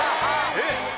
えっ？